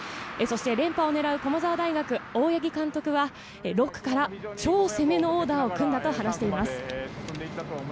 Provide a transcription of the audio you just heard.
そして連覇を狙う駒澤大学・大八木監督は６区から超攻めのオーダーを組んだと話しています。